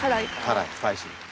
辛いスパイシー。